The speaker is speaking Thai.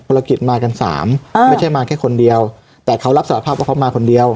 กิจมากันสามอ่าไม่ใช่มาแค่คนเดียวแต่เขารับสารภาพว่าเขามาคนเดียว